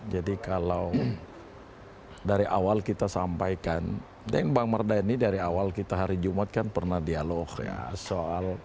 jadi kalau dari awal kita sampaikan dan bang mardani dari awal kita hari jumat kan pernah dialog soal